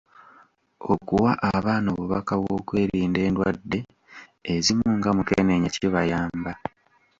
Okuwa abaana obubaka bw'okwerinda endwadde ezimu nga mukenenya kibayamba.